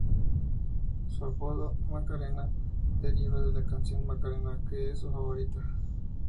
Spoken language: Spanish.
Su apodo, "Macarena", deriva de la canción "Macarena", que es su favorita.